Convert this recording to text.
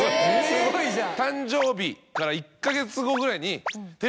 すごいじゃん。